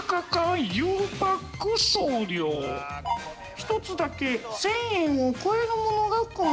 １つだけ１０００円を超えるものが含まれています。